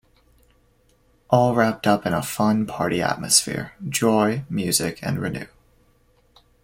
All wrapped up in a fun party atmosphere, joy, music and renew.